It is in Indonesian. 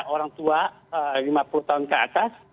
orang tua lima puluh tahun ke atas